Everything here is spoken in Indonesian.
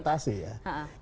itu persoalan interpretasi ya